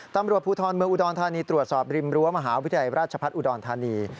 ตำรวจภูทรเมืองอุดรธานีตรวจสอบริมรั้วมหาวิทยาลัยราชพัฒน์อุดรธานี